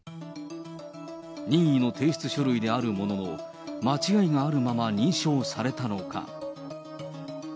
任意の提出書類であるものの、間違いがあるまま認証されたのか。